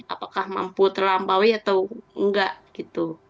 apakah mampu terlampaui atau enggak gitu